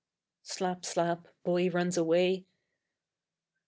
(Slap slap. _Boy runs away.